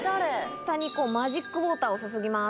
下にマジックウオーターを注ぎます。